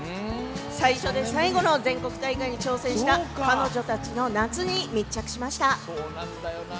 最初で最後の全国大会に挑戦した彼女たちの夏に密着しました。